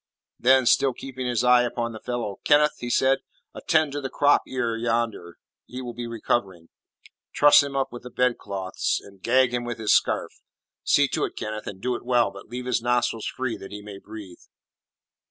Then, still keeping his eye upon the fellow: "Kenneth," he said, "attend to the crop ear yonder, he will be recovering. Truss him with the bedclothes, and gag him with his scarf. See to it, Kenneth, and do it well, but leave his nostrils free that he may breathe."